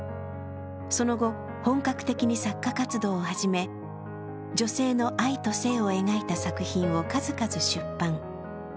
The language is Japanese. その後、本格的に作家活動を始め女性の愛と性を描いた作品を数々出版。